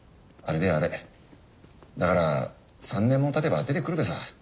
だから３年もたてば出てくるべさ。